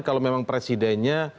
kalau memang presidennya